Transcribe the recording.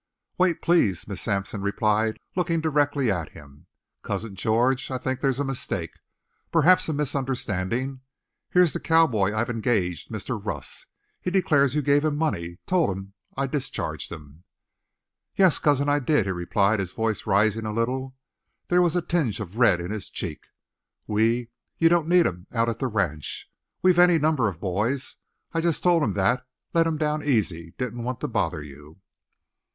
"Wait, please," Miss Sampson replied, looking directly at him. "Cousin George, I think there's a mistake perhaps a misunderstanding. Here's the cowboy I've engaged Mr. Russ. He declares you gave him money told him I discharged him." "Yes, cousin, I did," he replied, his voice rising a little. There was a tinge of red in his cheek. "We you don't need him out at the ranch. We've any numbers of boys. I just told him that let him down easy didn't want to bother you."